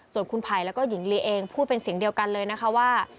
ส่วนคุณไผ่แล้วก็หญิงลีเองพูดเป็นเสียงเดียวกันเลยนะคะว่า